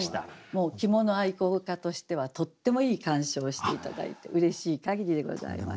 もう着物愛好家としてはとってもいい鑑賞をして頂いてうれしい限りでございます。